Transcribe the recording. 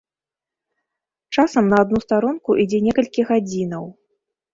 Часам на адну старонку ідзе некалькі гадзінаў.